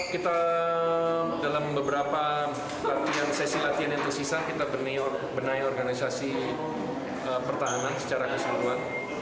kita dalam beberapa sesi latihan yang tersisa kita benahi organisasi pertahanan secara keseluruhan